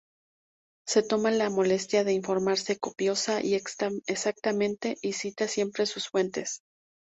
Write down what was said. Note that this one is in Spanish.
Se toma la molestia de informarse copiosa y exactamente, y cita siempre sus fuentes.